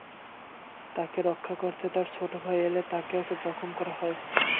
তাঁকে রক্ষা করতে তাঁর ছোট ভাই এলে তাঁকেও জখম করা হয়।